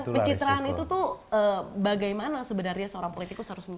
pencitraan itu tuh bagaimana sebenarnya seorang politikus harus